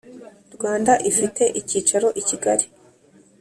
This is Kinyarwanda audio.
Rwanda ifite icyicaro i Kigali